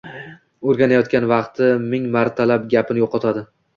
O’rganayotgan vaqti ming martalab gapini yo’qotadi.